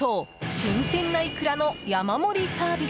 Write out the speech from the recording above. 新鮮なイクラの山盛りサービス。